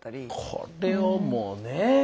これをもうねえ。